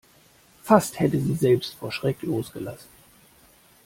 Fast hätte sie selbst vor Schreck losgelassen.